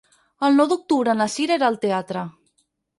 El nou d'octubre na Sira irà al teatre.